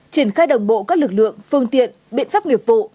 triển khai đồng bộ các lực lượng phương tiện biện pháp nghiệp vụ